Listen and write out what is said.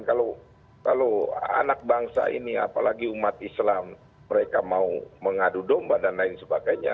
kalau anak bangsa ini apalagi umat islam mereka mau mengadu domba dan lain sebagainya